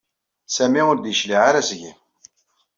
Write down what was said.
Sami ur d-yecliɛ ara seg-i.